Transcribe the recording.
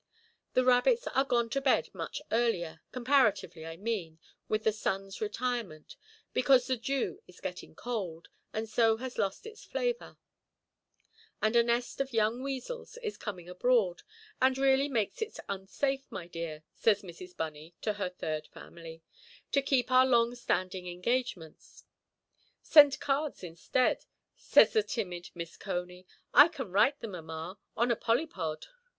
The rabbits are gone to bed much earlier—comparatively, I mean, with the sunʼs retirement—because the dew is getting cold, and so has lost its flavour; and a nest of young weasels is coming abroad, "and really makes it unsafe, my dear", says Mrs. Bunny to her third family, "to keep our long–standing engagements". "Send cards instead", says the timid Miss Cony; "I can write them, mamma, on a polypod".